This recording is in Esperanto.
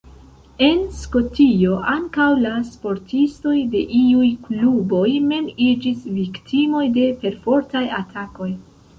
En Skotio ankaŭ la sportistoj de iuj kluboj mem iĝis viktimoj de perfortaj atakoj.